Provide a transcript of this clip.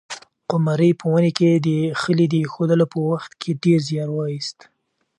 قمرۍ په ونې کې د خلي د اېښودلو په وخت کې ډېر زیار وایست.